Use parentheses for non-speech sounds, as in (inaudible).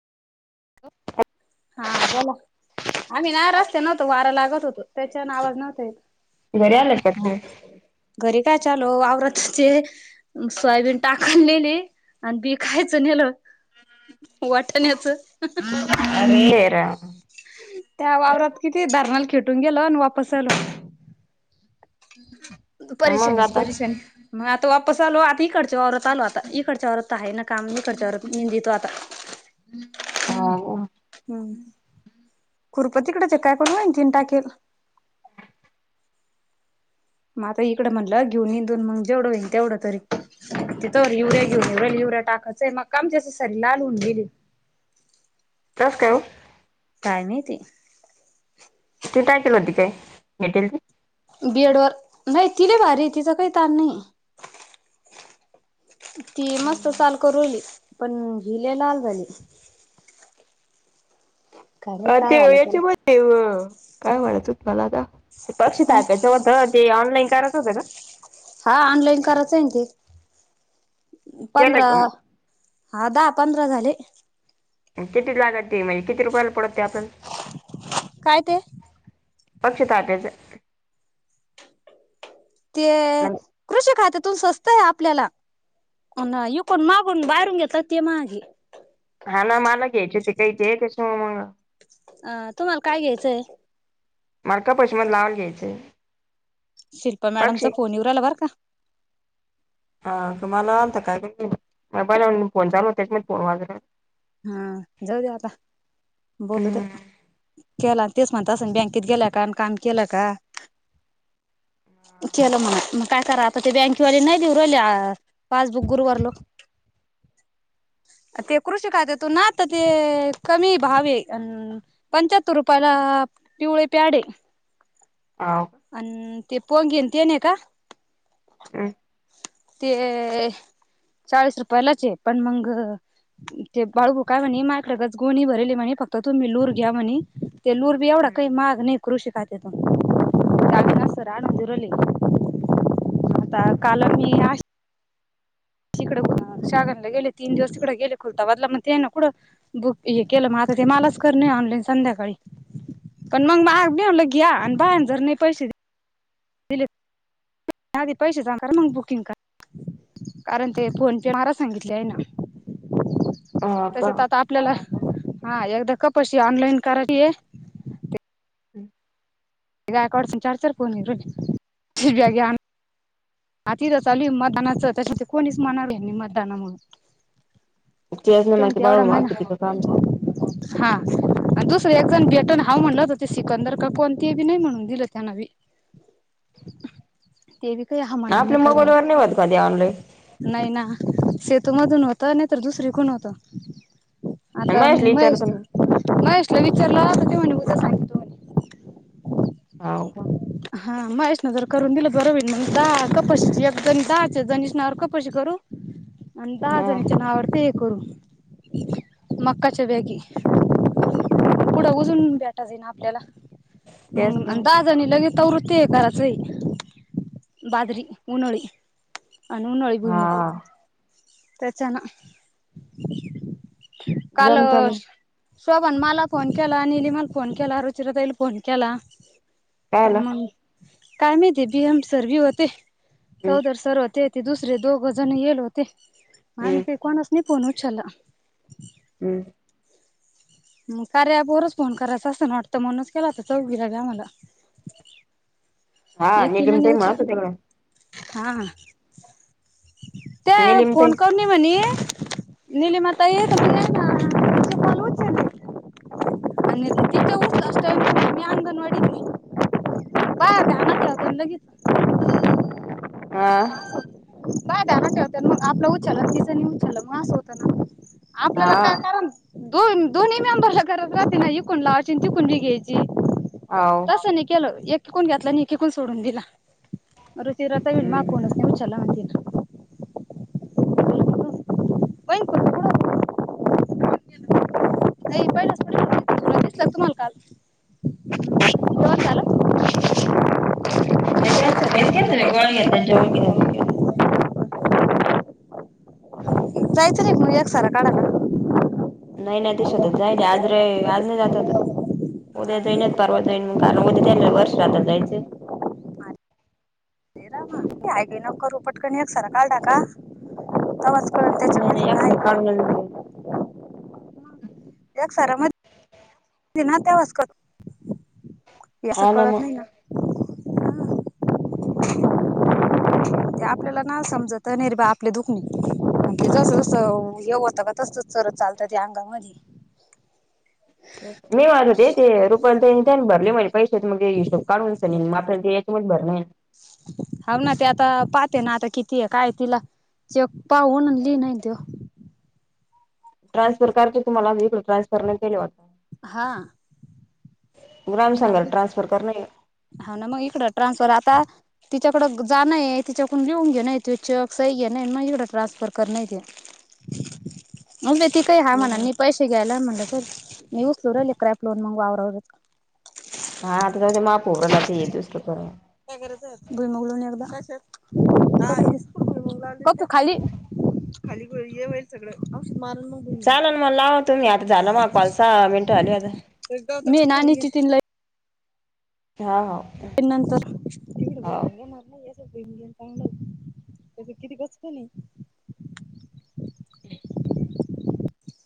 हा बोला आम्ही ना रस्त्यान व्हतो वारा लागत होतो, त्याच्यान आवाज नव्हत येत. घरी आल का तुम्ही? घरी काय चालू आवरतचे सोयाबीन टाकान नेले आणि बी खायच नेल. वाटण्याच. तेरा त्या वावरात किती दारणाल खेटून गेल आणि वापस आलो. मग परेशानीच आता परेशानी मग आता वापस आलो, आता इकडच्या आवरत आलो, आता इकडच्या वावरत आहे ना काम मी इकडच्या वावरात निंदितो मी आता हा हा हम्म्, खूरप तिकडच ये काय कनू वान तिन टाकेल. मग आता इकडे म्हणल घेऊन येइन मग जेवढ होईन तेवढ तरी. तिथं युरिया घेऊन युरिया टाकायचंय मग कामच्या अस सरी लाहऊन गेली. त्यात काय ओ? काय माहिती. ती काय केल तिथे काय भेटेल ते बेडवर नाही ति लय भारी तिचा काही तान नाहीये. ती मस्त चाल करुराहीली पण हि लई लाल झाली. काय माहित अ काय तेव झालं त्याला याची भजे काय म्हणायच होत मला आता पाचशे टाकायचे. तेव्हा होत ते ऑनलाईन करायच होत का? हा ऑनलाईन करायच आहे ते केलं पंधरा का मग? हा दहा पंधरा झाले. किती लागा त म्हणजे किती रुपयाला पडत ते आपल्याला काय ते पक्षी तात्याचं ते म्हण कृषी खात्यातून स्वस्त आहे आपल्याला पण इकून मागून बाहेरून घेतात ते माग आहे. हा ना मला घ्यायचे ते काही ते त्यास मग अ तुम्हाला काय घ्यायचंय? मला कपशी मध लावल घ्यायचंय. शिल्पा पक्षी मॅडमचा फोनवर येऊ रायला बरं का! हा तुम्हाला आलताकाय (unintelligible) फोन चालू होते त्यात माझं काय? हा, जाऊ द आता बोलू हम्म द्या. केला तेच म्हणत असं बँकेत गेल्या का आणि काम केलं का? केल म्हणा मग काय करा आता ते बँकेवाले नाही देऊरले पासबुक गुरुवररलो. ते कृषीखात्यातु ना तर ते कमी भावे आहे. अ पंचाहत्तर रुपयाला पिवळे प्याड आहे. हाव. अ ते पो घेनंत ये न का? हम. ते चाळीस रुपयालाच आहे पण मग ते बाळबू काय म्हणे मायकच गोणी भरली म्हणे फक्त तुम्ही लूर घ्या म्हणे ते लूर एवढा काही माग नाही कृषी खात्या तून सर नजुरले आता काल मी तिकडे कङ शागनला गेले तीन दिवस तिकडडे गेले खुलता बदला मग ते ना कुडं बुक हे केलं मग आता ते मलाच करणे ऑनलाईन संध्याकाळी पण मग माग भेवलं घ्या आणि बा जर नाही पैसे दिले.. त आधी पैसे सांगा, मग बुकिंग करा. कारण ते फोन पे मारा सांगितले आहे ना. हा का तसात आता आपल्याला.. हा एकदा कपशी ऑनलाईन करायची आहे. हम्.. गायकवाडशी चार चार फोन हायत व़हय.. तिज्या ज्ञान.. आ तिथ चालू मतदानाचं त्याच्या ते कोणीच म्हणाव आहे मतदानामुळे तेज त्या मा ते एवढा बाळ किती महिना का काम चालू हा.. आणि दुसरं एक जण भेटण हा म्हणलं हो ते सिकंदर काकू आणि ते बी नाही म्हणून दिल त्यान बी ह.. ते बी काया आपल्या मोबाईलवर नाहीवत कधीऑलाईन नाही ना.. सेतूमधून होत नाही तर दुसर कोण होत आता मी महेशला महेश.. विचारतो मी महेशला विचारला त.. म्हणे सांग हौ का हा मशणा जर करून दिलं बरोवीन मग जा कपशीण जाचे जणसणावर कपशी करू आणि हा दहाजणीच्या नावावर हे करू मक्काच्या बॅगी पुढं उजून भेटाच ये ना आपल्याला तेच ना मग दहाजणी लगेच तवृत्ते आहे कारचई बाजरी उनोळी आणिन उळी हा गुमुग.. त्याच्या ना काल जमत ना शोबण मला फोन केला आणि नीलिमाला फोन केला रुचरताईला फोन केला पण कायला मग काय माहिती भीएम सर बी होते हम्म चौदर सर होते ते दुसरे दोघं जण येल होते मग हम्म आम्ही काही कोणाच नाही फोन उच्ला हम्म म कार्या वरुनच फोन करायचा असतं ना वाटतं मणच केला तर चौघला ग आम्हाला हा एकी ला निलिम ताई न्यूज म्हणत होत्या गड्या हा ते निलिम ताई फोन कौन म्हणे नीलिमा ताई कॉल उचलले आणि तिथ म आंगण वाडीत आहे काय आ आण लगेच आा बाय त्याना ठेवतग आपलं उच्ल तिचंनी उच्ल मग असं होतं ना आपल्याला हा काय कारण दोन दोन्ही मेंबरला कर त ना इिकण लावची तिकून बी घ्यायची ह तसं नाही केलं एकीकून घातलं आणि एक एककून सोडून दिला ऋचिरा ताई म्हण माझा हम्म फोनच नाही उचलला म्हण तीनअस होय कोठ नाही पहिलं तुम्हाला जेवण झालं पस घ र गोळा घ्या ज जायचं नाही का मग एक्सरे काढला नाही नाही तस होत जाय आज रे आज नाही जात उद्या हा जाइंन परवा जाईन कारण त्या वर्ष श्रद्धाला जायचं हाय घाई नका करू पटकन एक्सरे काढला के तेव्हाच नाही नाही एक्सरे काढूनच घेईल. एक्सरे मध्ये ना त्यावास काळात या असं हा कळत मग नाही ना. हम्म ते आपल्याला ना समजत नाही बा आपले दुखन म्हणजे जसं जसं येव होतं का तसं चरत चालतं ते अंगामध्ये ते मी म्हणत होते ते रुपा तर भरले म्हने पैसे मगे हिशोब काढूनग आपल्या ते याच्यामध्ये भरले हा ना ते आता पाहते ना आता किती आहे काय तिला जप पाहून लिहि नाही तो ट्रान्सफरकारचे तुम्हाला ट्रान्सर नाही केले वाटतं केले वाटतं. हा ग्राम संघाला अरे ट्रान्सफर करणे. हा ना मग इकडं ट्रान्सफर आता तिच्याकड जाणय तिच्याकून लिहून घेण त चेक सही घेना ही मग इकडं ट्रान्सफर करण ते (inaudible) मग ती काही हा म्हणा हम्म मी पैसे घ्यायला म्हण मी उसलूली क्रॅप लोन मग आवरवर. हा आता ते माफ होऊ राहिलय हे दुसरं काय करायच (unintelligible) भुई मुग लाऊ ना एकदा बघू खाली खाली येवईल सगळंमारग (unintelligible) चाल मला तुम्ही आता झाला मग पाच सहा मिनटं झालं आता मी नाचीि तीन ल (unintelligible) हा हा नंतर येणार नाही चांगलं त्याच किती कसत नाही (inaudible)